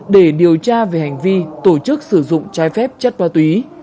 để điều tra về hành vi tổ chức sử dụng trái phép chất ma túy